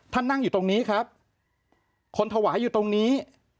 นั่งอยู่ตรงนี้ครับคนถวายอยู่ตรงนี้